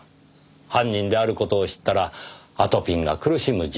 犯人である事を知ったらあとぴんが苦しむ人物。